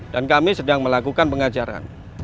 dan kami sedang melakukan pengajaran